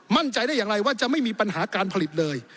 มั่นใจได้อย่างไรว่าจะไม่มีปัญหาการผลิตเลย